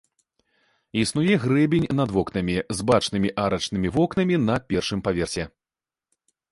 Існуе грэбень над вокнамі, з бачнымі арачнымі вокнамі на першым паверсе.